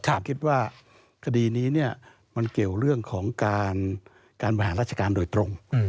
ผมคิดว่าคดีนี้มันเกี่ยวเรื่องของการบริหารราชการโดยตรง